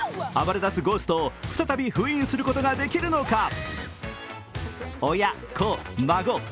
暴れ出すゴーストを再び封印することができるのか。